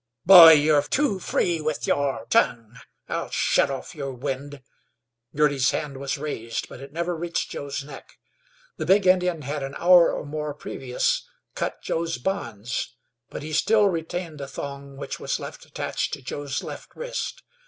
"Boy, ye're too free with your tongue. I'll shet off your wind." Girty's hand was raised, but it never reached Joe's neck. The big Indian had an hour or more previous cut Joe's bonds, but he still retained the thong which was left attached to Joe's left wrist.